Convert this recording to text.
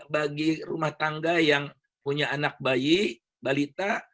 bagi rumah tangga yang punya anak bayi balita